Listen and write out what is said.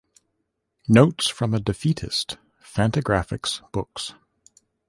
"Notes from a Defeatist", Fantagraphics Books.